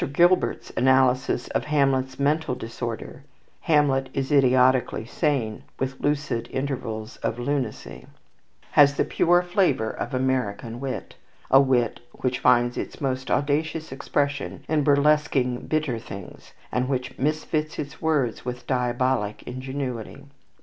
Gilbert's analysis of Hamlet's mental disorder, "Hamlet is idiotically sane, With lucid intervals of lunacy," has the pure flavour of American wit, a wit which finds its most audacious expression in burlesquing bitter things, and which misfits its words with diabolic ingenuity.